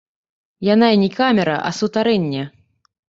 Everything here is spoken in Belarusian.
Яна і не камера, а сутарэнне.